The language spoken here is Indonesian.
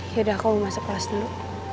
yaudah aku mau masuk kelas dulu